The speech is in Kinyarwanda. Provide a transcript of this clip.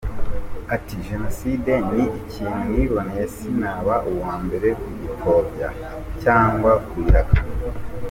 Ati “Jenoside ni ikintu niboneye sinaba uwa mbere ku kuyipfobya cyangwa kuyihakana”.